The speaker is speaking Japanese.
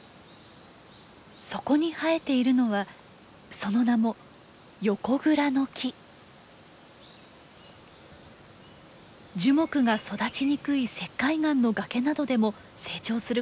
そこに生えているのはその名も樹木が育ちにくい石灰岩の崖などでも成長することができます。